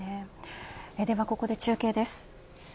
ここで中継です。